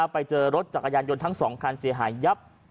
ไปเจอรถจักรยานยนต์ทั้ง๒คันเสียหายยับ